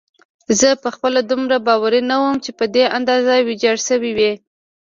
زه خپله دومره باوري نه وم چې په دې اندازه ویجاړه شوې وي.